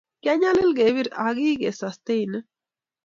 Kiinyalil kiber akike sastainen